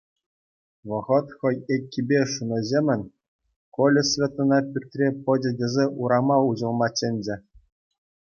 Вӑхӑт хӑй еккипе шунӑҫемӗн Коля Светӑна пӳртре пӑчӑ тесе урама уҫӑлма чӗнчӗ.